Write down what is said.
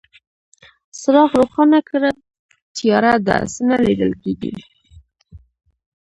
څراغ روښانه کړه، تياره ده، څه نه ليدل کيږي.